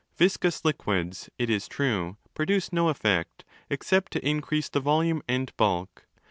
Viscous liquids, it is true, produce no effect except to increase the volume and bulk.